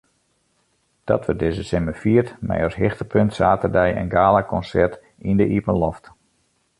Dat wurdt dizze simmer fierd mei as hichtepunt saterdei in galakonsert yn de iepenloft.